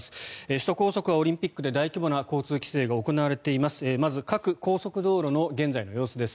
首都高速はオリンピックで大規模な交通規制が行われています。